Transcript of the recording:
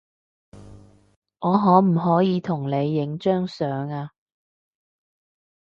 我可唔可以同你影張相呀